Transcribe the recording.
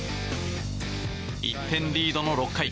１点リードの６回。